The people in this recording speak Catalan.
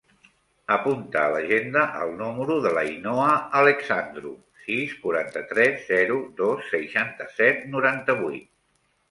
Apunta a l'agenda el número de l'Ainhoa Alexandru: sis, quaranta-tres, zero, dos, seixanta-set, noranta-vuit.